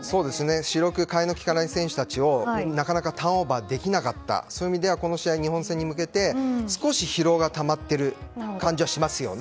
主力、替えの利かない選手たちをなかなかターンオーバーできなかったという意味でも日本戦に向けて少し疲労がたまっている感じはしますよね。